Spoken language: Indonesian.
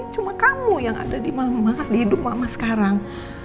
cuma kamu yang ada di hidup mama sekarang